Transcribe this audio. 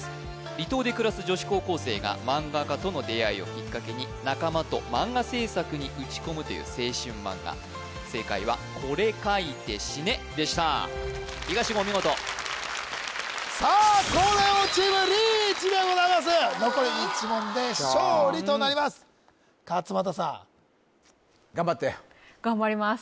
離島で暮らす女子高校生が漫画家との出会いをきっかけに仲間と漫画制作に打ち込むという青春漫画正解は「これ描いて死ね」でした東言お見事さあ東大王チームリーチでございます残り１問で勝利となりますよっしゃ勝間田さん頑張って頑張ります